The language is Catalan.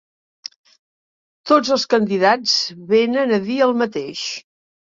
Tots els candidats venen a dir el mateix.